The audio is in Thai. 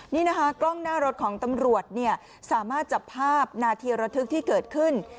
นี่นะคะกล้องหน้ารถของตำรวจเนี่ยสามารถจับภาพนาทีระทึกที่เกิดขึ้น